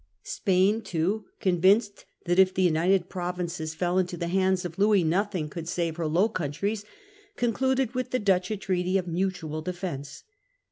Spain too, convinced that if the United Provinces fell into the hands of Louis nothing could save her Low Countries, concluded with the Dutch a treaty of mutual defence.